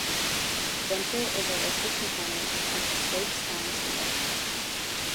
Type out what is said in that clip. Venture is a listed component of the Straits Times Index.